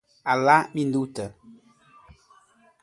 A la minuta